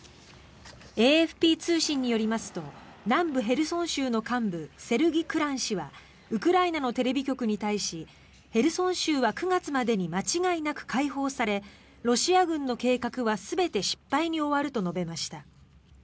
ＡＦＰ通信によりますと南部ヘルソン州の幹部セルギ・クラン氏はウクライナのテレビ局に対しヘルソン州は９月までに間違いなく解放されロシア軍の計画は全て失敗に終わると述べました。